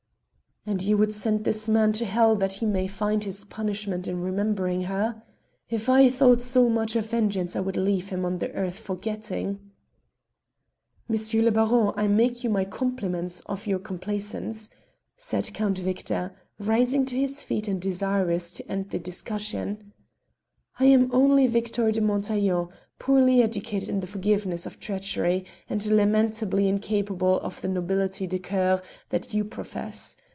"And ye would send this man to hell that he may find his punishment in remembering her? If I thought so much of vengeance I would leave him on the earth forgetting." "M. le Baron, I make you my compliments of your complacence," said Count Victor, rising to his feet and desirous to end the discussion. "I am only Victor de Montaiglon, poorly educated in the forgiveness of treachery, and lamentably incapable of the nobihty de cour that you profess.